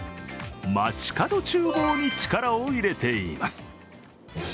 まちかど厨房に力を入れています。